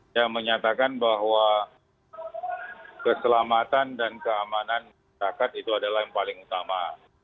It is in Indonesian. yang menyatakan bahwa keselamatan dan keamanan masyarakat itu adalah yang paling utama